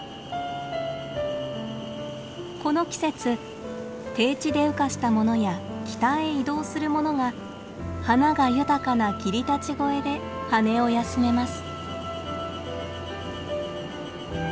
この季節低地で羽化したものや北へ移動するものが花が豊かな霧立越で羽を休めます。